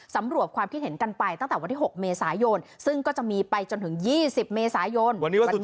สำรวจความคิดเห็นกันไปตั้งแต่วันที่๖เมษายนซึ่งก็จะมีไปจนถึง๒๐เมษายน